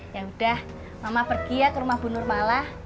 ya udah mama pergi ya ke rumah bu nur malah